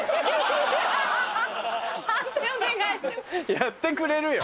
やってくれるよ。